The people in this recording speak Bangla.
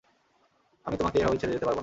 আমি তোমাকে এভাবে ছেড়ে যেতে পারবো না।